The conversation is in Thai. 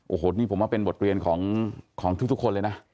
โอ้โหนี่ผมว่าเป็นบทเรียนของทุกคนเลยนะ